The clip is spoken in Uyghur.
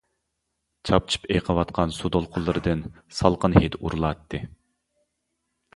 چاپچىپ ئېقىۋاتقان سۇ دولقۇنلىرىدىن سالقىن ھىد ئۇرۇلاتتى.